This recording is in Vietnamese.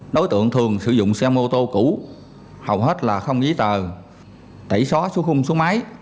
đối tượng thường sử dụng xe mô tô cũ hầu hết là không giấy tờ tẩy xóa số khung số máy